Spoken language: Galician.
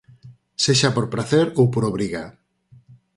Sexa por pracer ou por obriga.